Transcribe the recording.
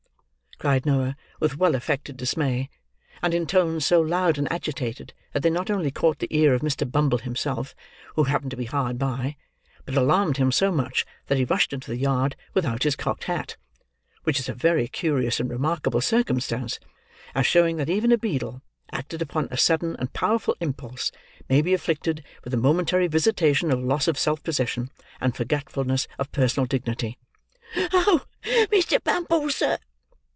cried Noah, with well affected dismay: and in tones so loud and agitated, that they not only caught the ear of Mr. Bumble himself, who happened to be hard by, but alarmed him so much that he rushed into the yard without his cocked hat,—which is a very curious and remarkable circumstance: as showing that even a beadle, acted upon a sudden and powerful impulse, may be afflicted with a momentary visitation of loss of self possession, and forgetfulness of personal dignity. "Oh, Mr. Bumble, sir!"